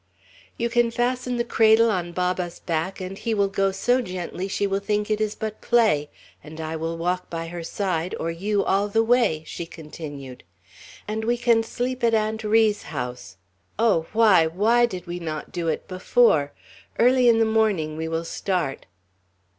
"You can fasten the cradle on Baba's back, and he will go so gently, she will think it is but play; and I will walk by her side, or you, all the way!" she continued. "And we can sleep at Aunt Ri's house. Oh, why, why did we not do it before? Early in the morning we will start."